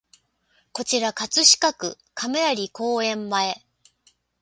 こちら葛飾区亀有公園前